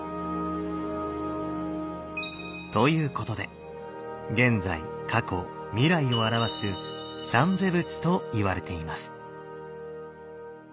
ということで現在過去未来を表す三世仏といわれています。